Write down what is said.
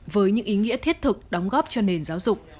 với những ý nghĩa thiết thực đóng góp cho nền giáo dục